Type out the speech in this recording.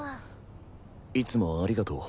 いつもありがとう。